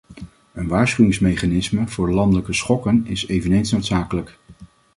Een waarschuwingsmechanisme voor landelijke schokken is eveneens noodzakelijk.